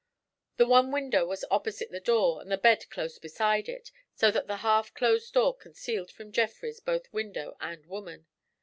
The one window was opposite the door and the bed close beside it, so that the half closed door concealed from Jeffrys both window and woman.